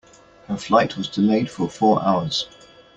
Her flight was delayed for four hours.